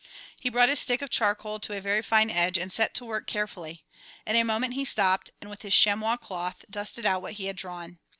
He brought his stick of charcoal to a very fine edge and set to work carefully. In a moment he stopped and, with his chamois cloth, dusted out what he had drawn.